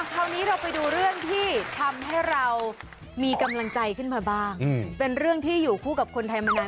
คราวนี้เราไปดูเรื่องที่ทำให้เรามีกำลังใจขึ้นมาบ้างเป็นเรื่องที่อยู่คู่กับคนไทยมานาน